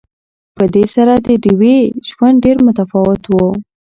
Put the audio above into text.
په دې سره د ډیوې ژوند ډېر متفاوت وو